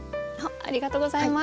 ありがとうございます。